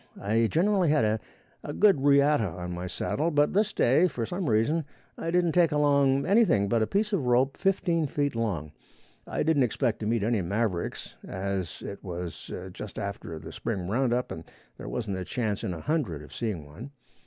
I generally had a good riata on my saddle, but this day, for some reason, I didn't take anything but a piece of rope fifteen feet long. I didn't expect to meet any mavericks, as it was just after the spring roundup and there wasn't a chance in a hundred of seeing one.